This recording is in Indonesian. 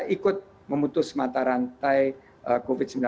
ikut memutus mata rantai covid sembilan belas